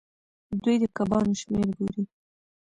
دوی د کبانو شمیر ګوري.